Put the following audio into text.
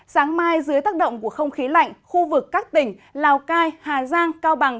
sáng mai dưới tác động của không khí lạnh khu vực các tỉnh lào cai hà giang cao bằng